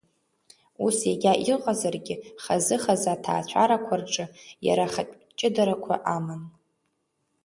Ус егьа иҟазаргьы, хазы-хазы аҭаацәарақәа рҿы иара ахатә ҷыдарақәа аман.